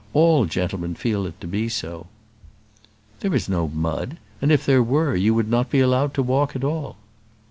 All gentlemen feel it to be so." "There is no mud; if there were you would not be allowed to walk at all."